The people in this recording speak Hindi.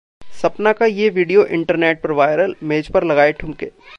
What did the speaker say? सपना का ये वीडियो इंटरनेट पर वायरल, मेज पर लगाए ठुमके